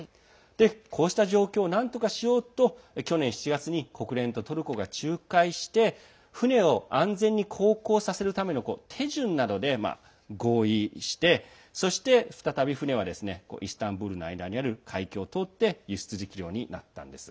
こうした状況をなんとかしようと去年７月に国連とトルコが仲介して船を安全に航行させる手順などで合意してそして再び船はイスタンブール内にある海峡を通って輸出できるようになったんです。